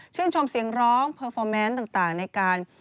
ชื่นชมเสียงร้องแบบเพอร์เฟอร์แมนต์ต่างในการ